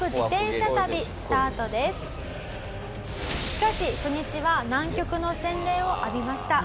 しかし初日は南極の洗礼を浴びました。